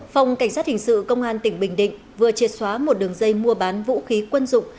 phòng cảnh sát hình sự công an tỉnh bình định vừa triệt xóa một đường dây mua bán vũ khí quân dụng